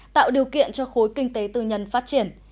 tạo điều kiện cho khối kinh tế tư nhân phát triển